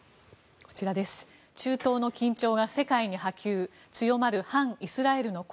中東の緊張が世界に波及強まる反イスラエルの声。